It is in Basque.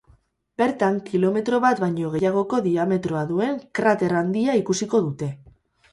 Bertan, kilometro bat baino gehiagoko diametroa duen krater handia ikusiko dute.